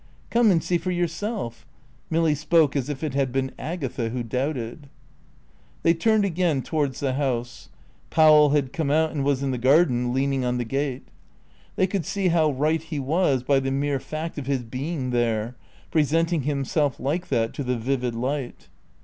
"Come and see for yourself." Milly spoke as if it had been Agatha who doubted. They turned again towards the house. Powell had come out and was in the garden, leaning on the gate. They could see how right he was by the mere fact of his being there, presenting himself like that to the vivid light.